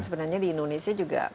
sebenarnya di indonesia juga